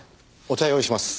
お茶用意します。